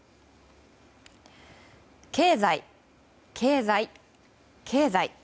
経済、経済、経済。